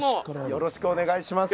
よろしくお願いします。